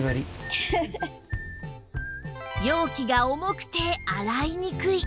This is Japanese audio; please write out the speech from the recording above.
容器が重くて洗いにくい